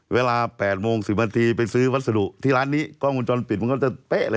เวลา๘โมง๑๐นาทีไปซื้อวัสดุที่ร้านนี้กล้องวงจรปิดมันก็จะเป๊ะเลย